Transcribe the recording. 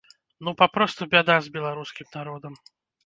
Ну папросту бяда з беларускім народам.